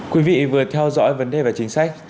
quý vị vừa theo dõi vấn đề về chính sách